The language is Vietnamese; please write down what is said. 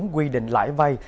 quy định lãi vay